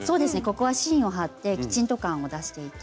ここは芯を貼ってきちんと感を出していて。